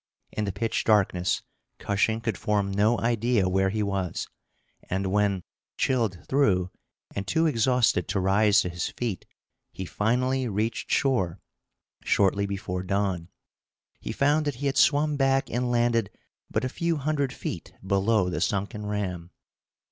In the pitch darkness Cushing could form no idea where he was; and when, chilled through, and too exhausted to rise to his feet, he finally reached shore, shortly before dawn, he found that he had swum back and landed but a few hundred feet below the sunken ram.